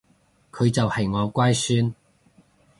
佢就係我乖孫